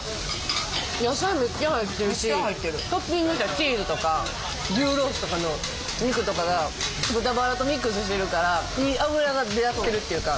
トッピングしたチーズとか牛ロースとかの肉とかが豚バラとミックスしてるからいい脂が出会ってるっていうか。